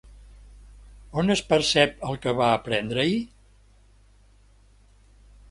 On es percep el que va aprendre-hi?